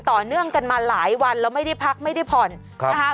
ต่อเนื่องกันมาหลายวันแล้วไม่ได้พักไม่ได้ผ่อนนะคะ